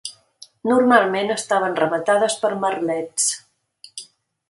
Normalment estaven rematades per merlets.